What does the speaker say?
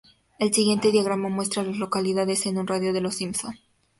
El siguiente diagrama muestra a las localidades en un radio de de Simpson.